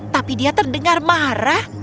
tapi dia terdengar marah